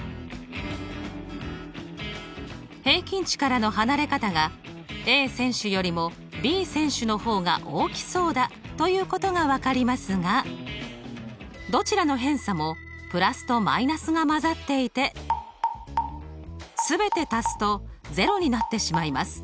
平均値からの離れ方がＡ選手よりもＢ選手の方が大きそうだということが分かりますがどちらの偏差もプラスとマイナスが混ざっていて全て足すとゼロになってしまいます。